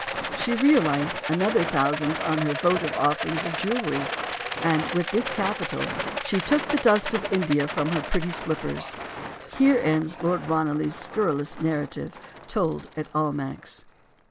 She realized another thousand on her votive offerings of jewelry; and, with this capital, she took the dust of India from her pretty slippers. 8 STORIES OF THE SUPER WOMEN Here ends Lord Ranelagh's scurrilous narrative, told at Almack's.